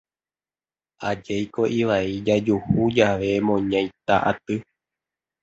Ajéiko ivai jajuhu jave moñaita aty